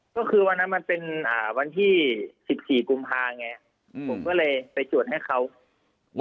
ก็คือวันนั้นมันเป็นวันที่๑๔กุมภาไงผมก็เลยไปจวดให้เขา